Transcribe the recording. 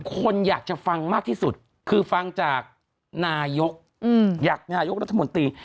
คนอยากจะฟังมากที่สุดคือฟังจากนายกอยากนายกรัฐมนตรี